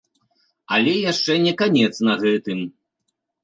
Але яшчэ не канец на гэтым.